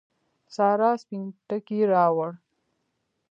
سارا سپين ټکی راووړ.